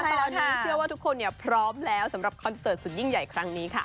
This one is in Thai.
ตอนนี้เชื่อว่าทุกคนพร้อมแล้วสำหรับคอนเสิร์ตสุดยิ่งใหญ่ครั้งนี้ค่ะ